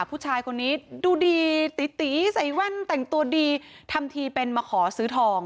ผู้ชายคนนี้ดูดีตีตีใส่แว่นแต่งตัวดีทำทีเป็นมาขอซื้อทอง